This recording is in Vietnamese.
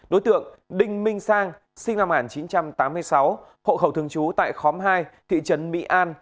đối tượng đinh minh sang sinh năm một nghìn chín trăm tám mươi sáu hộ khẩu thường trú tại khóm hai thị trấn mỹ an